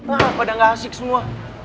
wah pada gak asik semua